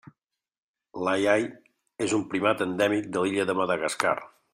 L'ai-ai és un primat endèmic de l'illa de Madagascar.